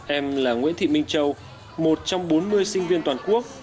em là nguyễn thị minh châu một trong bốn mươi sinh viên toàn quốc